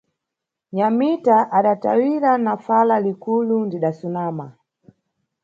Nyamita adatayira na fala likulu: Ndidasunama.